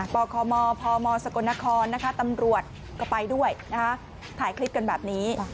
คมพมสกลนครนะคะตำรวจก็ไปด้วยถ่ายคลิปกันแบบนี้